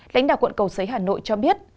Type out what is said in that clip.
lãnh đạo quận cầu sấy hà nội cho biết